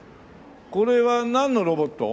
これはなんのロボット？